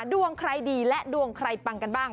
ดวงใครดีและดวงใครปังกันบ้าง